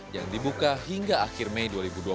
yang dibuka hingga akhir mei dua ribu dua puluh